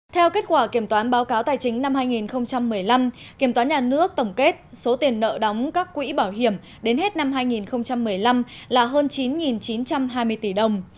theo kết quả kiểm toán báo cáo tài chính năm hai nghìn một mươi năm kiểm toán nhà nước tổng kết số tiền nợ đóng các quỹ bảo hiểm đến hết năm hai nghìn một mươi năm là hơn chín chín trăm hai mươi tỷ đồng